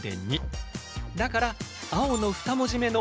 だから「あお」の２文字目の「お」。